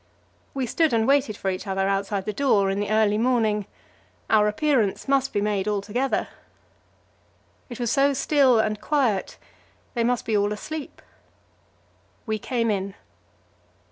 We stood and waited for each other outside the door in the early morning; our appearance must be made all together. It was so still and quiet they must be all asleep. We came in.